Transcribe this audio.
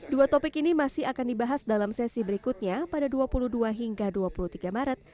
dua topik ini masih akan dibahas dalam sesi berikutnya pada dua puluh dua hingga dua puluh tiga maret